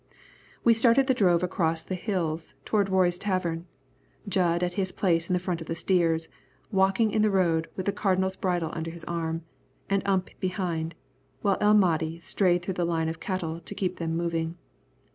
We started the drove across the hills toward Roy's tavern, Jud at his place in front of the steers, walking in the road with the Cardinal's bridle under his arm, and Ump behind, while El Mahdi strayed through the line of cattle to keep them moving.